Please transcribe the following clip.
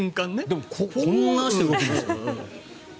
でもこんな足で動くんですよ。